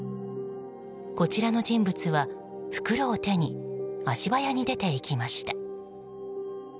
こちらの人物は袋を手に足早に出て行きました。